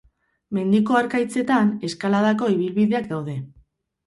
Mendiko harkaitzetan, eskaladako ibilbideak daude.